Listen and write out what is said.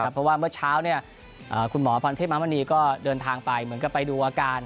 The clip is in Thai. เพราะว่าเมื่อเช้าคุณมพนธมาภนีดก็เดินทางไปเหมือนไปดูอาการ